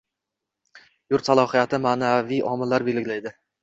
Yurt salohiyatini ma’naviy omillar belgilaydi.